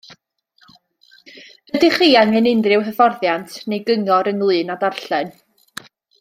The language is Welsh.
Ydych chi angen unrhyw hyfforddiant neu gyngor ynglŷn â darllen?